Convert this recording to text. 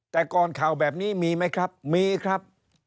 แต่ก่อนข่าวแบบนี้มีไหมครับมีครับ